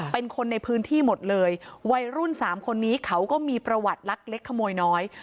เป็นคนในพื้นที่หมดเลยวัยรุ่นสามคนนี้เขาก็มีประวัติลักเล็กขโมยน้อย